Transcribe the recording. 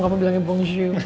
kamu bilangnya bonjour